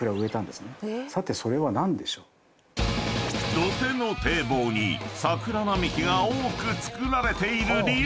［土手の堤防に桜並木が多くつくられている理由］